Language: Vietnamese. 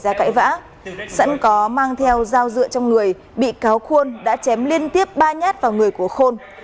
ra cãi vã sẵn có mang theo dao dựa trong người bị cáo khuôn đã chém liên tiếp ba nhát vào người của khuôn